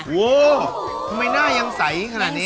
โว้ทำไมหน้ายังใสขนาดนี้